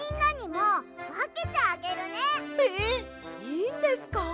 いいんですか？